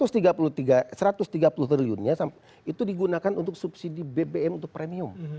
rp satu ratus tiga puluh triliunnya itu digunakan untuk subsidi bbm untuk premium